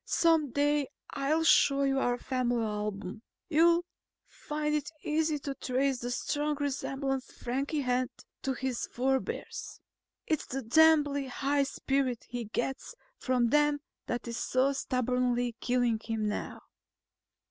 Some day I'll show you our family album. You'll find it easy to trace the strong resemblance Frankie has to his forebears. Its the damnably high spirit he gets from them that is so stubbornly killing him now."